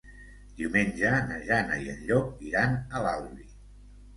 Diumenge na Jana i en Llop iran a l'Albi.